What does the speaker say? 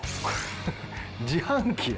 自販機や。